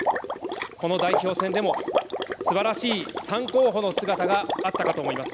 この代表選でもすばらしい３候補の姿があったかと思います。